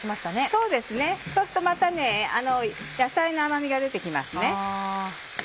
そうですねそうするとまた野菜の甘みが出て来ますね。